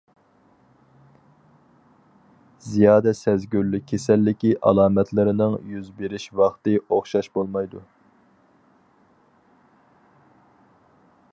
زىيادە سەزگۈرلۈك كېسەللىكى ئالامەتلىرىنىڭ يۈز بېرىش ۋاقتى ئوخشاش بولمايدۇ.